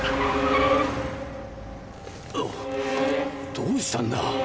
どうしたんだ？